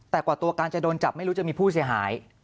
แต่กว่าตัวการจะโดนจับไม่รู้จะมีผู้เสียหาย